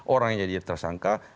orang yang jadi tersangka